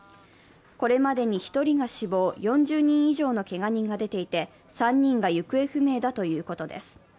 これまでに１人が死亡、４０人以上のけが人が出ていて３人が行方不明だということです。